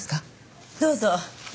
どうぞ。